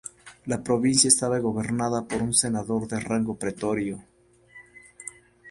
La provincia estaba gobernada por un senador de rango pretorio.